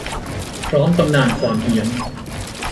พร้อมตำนานความเฮี้ยน